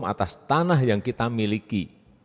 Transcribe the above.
atas tanah yang kita miliki